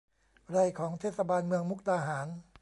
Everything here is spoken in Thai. ไร่ของเทศบาลเมืองมุกดาหาร